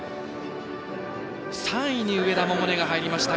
３位に上田百寧が入りました。